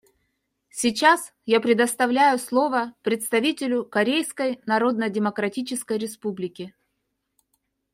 Сейчас я предоставляю слово представителю Корейской Народно-Демократической Республики.